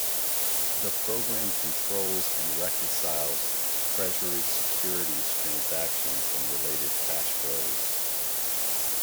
The program controls and reconciles Treasury securities transactions and related cash flows.